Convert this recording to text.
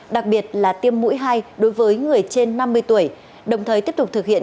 đặc biệt là tiêm mũi hai đối với người trên năm mươi tuổi đồng thời tiếp tục thực hiện